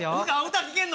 歌聞けんの？